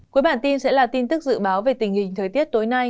cuối bản tin sẽ là tin tức dự báo về tình hình thời tiết tối nay